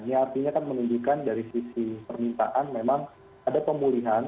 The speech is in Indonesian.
ini artinya kan menunjukkan dari sisi permintaan memang ada pemulihan